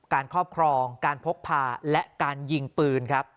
ครอบครองการพกพาและการยิงปืนครับ